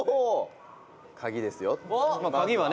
「鍵はね